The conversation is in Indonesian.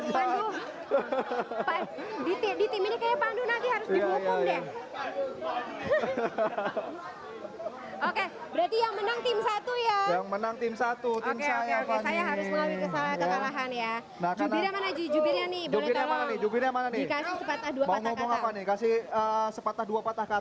oke berarti yang menang tim satu yang menang tim satu